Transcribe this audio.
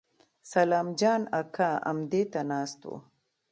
سلام جان اکا امدې ته ناست و.